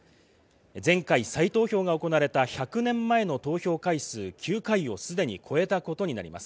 前回、再投票が行われた１００年前の投票回数９回をすでに超えたことになります。